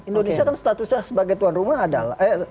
indonesia kan statusnya sebagai tuan rumah adalah